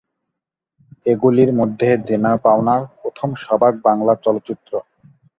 এগুলির মধ্যে দেনা পাওনা প্রথম সবাক বাংলা চলচ্চিত্র।